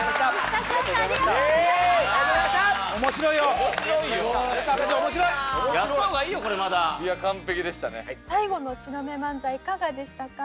最後の白目漫才いかがでしたか？